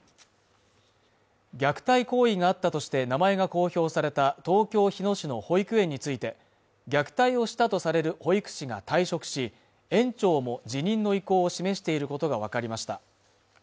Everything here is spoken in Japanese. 虐待行為があったとして名前が公表された東京日野市の保育園について虐待をしたとされる保育士が退職し園長も辞任の意向を示していることが分かりました